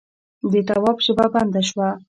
د تواب ژبه بنده شوه: